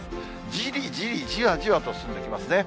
じりじりじわじわと進んできますね。